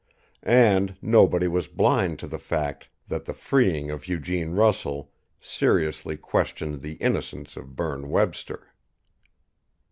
And nobody was blind to the fact that the freeing of Eugene Russell seriously questioned the innocence of Berne Webster.